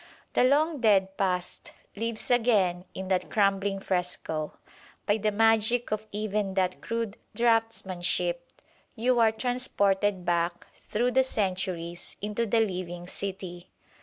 The long dead past lives again in that crumbling fresco. By the magic of even that crude draughtsmanship you are transported back through the centuries into the living city.